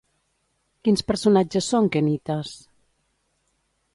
Quins personatges són Qenites?